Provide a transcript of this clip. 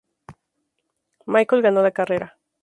Michael ganó la carrera.